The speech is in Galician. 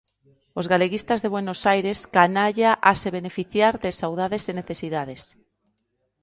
Os galeguistas de Buenos Aires, canalla a se beneficiar de saudades e necesidades.